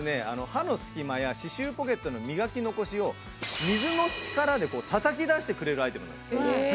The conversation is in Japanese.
歯の隙間や歯周ポケットの磨き残しを水の力でたたき出してくれるアイテムなんです。